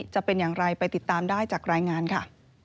จะเป็นอย่างไรไปติดตามได้จากรายงานค่ะ